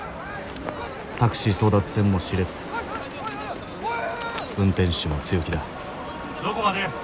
タクシー争奪戦も熾烈運転手も強気だどこまで？